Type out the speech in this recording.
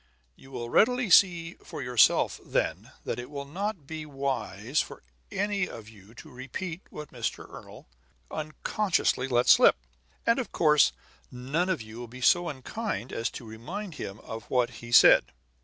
"You will readily see for yourselves, then, that it will not be wise for any of you to repeat what Mr. Ernol unconsciously let slip. And of course none of you will be so unkind as to remind him of what he said."